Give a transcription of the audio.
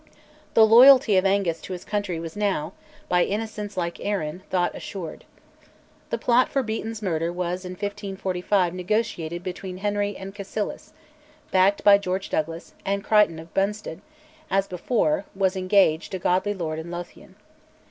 The loyalty of Angus to his country was now, by innocents like Arran, thought assured. The plot for Beaton's murder was in 1545 negotiated between Henry and Cassilis, backed by George Douglas; and Crichton of Brunston, as before, was engaged, a godly laird in Lothian.